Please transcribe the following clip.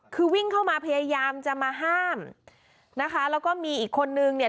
คือวิ่งเข้ามาพยายามจะมาห้ามนะคะแล้วก็มีอีกคนนึงเนี่ย